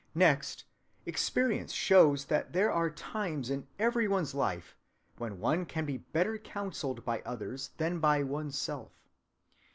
Next, experience shows that there are times in every one's life when one can be better counseled by others than by one's self.